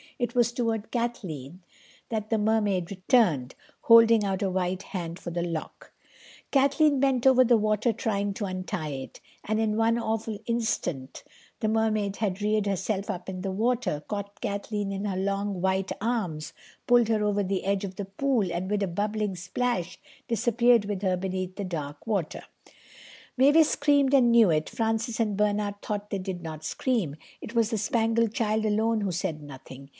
It was toward Kathleen that the Mermaid turned, holding out a white hand for the lock. Kathleen bent over the water trying to untie it, and in one awful instant the Mermaid had reared herself up in the water, caught Kathleen in her long white arms, pulled her over the edge of the pool, and with a bubbling splash disappeared with her beneath the dark water. [Illustration: She caught Kathleen in her arms.] Mavis screamed and knew it; Francis and Bernard thought they did not scream. It was the Spangled Child alone who said nothing.